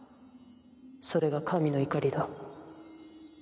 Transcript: それが神の怒りだ。